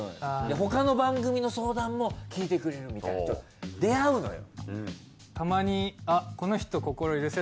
他の番組の相談も聞いてくれるみたいな人出会うのよ。